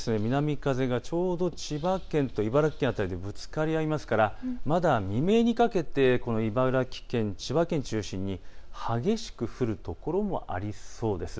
北風と南風がちょうど千葉県と茨城県辺りでぶつかりますからまだ未明にかけてこの茨城県、千葉県中心に激しく降る所もありそうです。